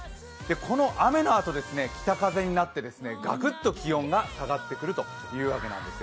この雨のあと、北風になってガクッと気温が下がっていきます。